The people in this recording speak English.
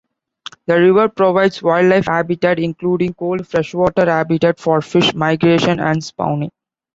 The river provides wildlife habitat including cold freshwater habitat for fish migration and spawning.